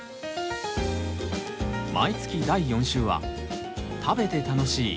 毎月第４週は食べて楽しい！